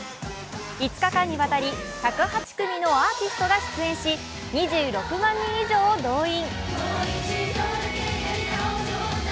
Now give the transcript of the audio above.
５日間にわたり１０８組のアーティストが出演し、２６万人以上を動員。